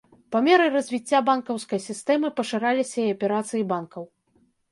Па меры развіцця банкаўскай сістэмы пашыраліся і аперацыі банкаў.